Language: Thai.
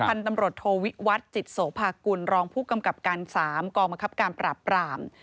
พันธุ์ตำรวจโทวิวัฒน์จิตโสภากุลรองผู้กำกับการ๓กองบังคับการปราบปราม